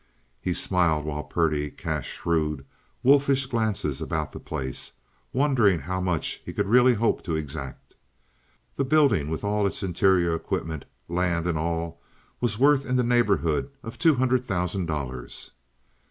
He smiled while Purdy cast shrewd, wolfish glances about the place, wondering how much he could really hope to exact. The building, with all its interior equipment, land, and all, was worth in the neighborhood of two hundred thousand dollars.